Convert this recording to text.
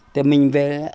thì mình về